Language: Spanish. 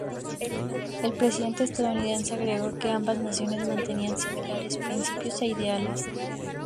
El presidente estadounidense agregó que ambas naciones mantenían similares principios e ideales.